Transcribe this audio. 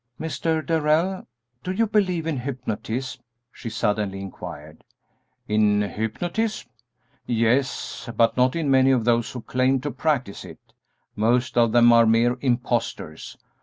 "Mr. Darrell, do you believe in hypnotism?" she suddenly inquired. "In hypnotism? Yes; but not in many of those who claim to practise it. Most of them are mere impostors.